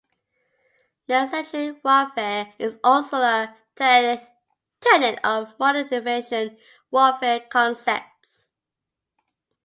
Netcentric warfare is also a tenet of modern information warfare concepts.